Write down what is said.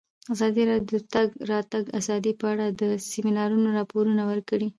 ازادي راډیو د د تګ راتګ ازادي په اړه د سیمینارونو راپورونه ورکړي.